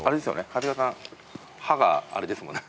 長谷川さん歯があれですもんね。